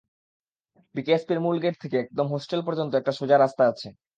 বিকেএসপির মূল গেট থেকে একদম হোস্টেল পর্যন্ত সোজা একটা রাস্তা আছে।